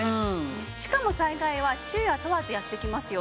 しかも災害は昼夜問わずやってきますよね。